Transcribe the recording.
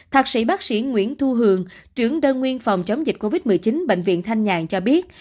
thạc sĩ bác sĩ nguyễn thu hường trưởng đơn nguyên phòng chống dịch covid một mươi chín bệnh viện thanh nhàn cho biết